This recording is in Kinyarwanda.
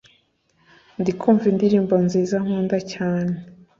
Ndikumva indirimbo nziza nkunda cyane